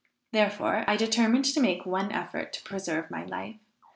Therefore I determined to make one effort to preserve my life.